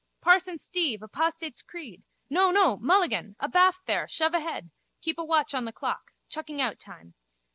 Parson Steve, apostates' creed! No, no, Mulligan! Abaft there! Shove ahead. Keep a watch on the clock. Chuckingout time.